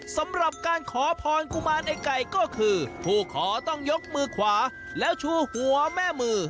สำหรับการขอพรกุมารไอ้ไก่ก็คือผู้ขอต้องยกมือขวาแล้วชูหัวแม่มือ